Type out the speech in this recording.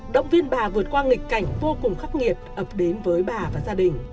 động viên bà vượt qua nghịch cảnh vô cùng khắc nghiệt ập đến với bà và gia đình